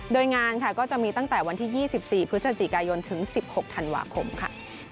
โดยงานค่ะก็จะมีตั้งแต่วันที่๒๔พฤศจิกายนถึง๑๖ธันวาคมค่ะ